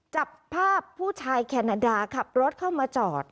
จับภาพผู้ชายแคนาดาขับรถเข้ามาจอด